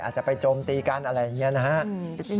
อาจจะไปโจมตีกันอะไรอย่างนี้นะครับ